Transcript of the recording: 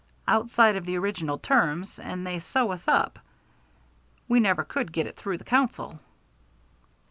"Outside of the original terms and they sew us up we never could get it through the Council."